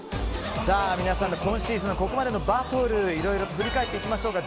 皆さんの今シーズンのここまでのバトルいろいろと振り返っていきましょうか。